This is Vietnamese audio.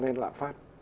tạo nên lạm phát